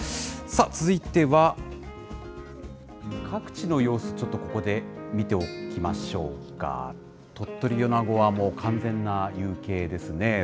さあ、続いては、各地の様子、ちょっとここで見ておきましょうか、鳥取・米子は完全な夕景ですね。